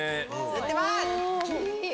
写ってます！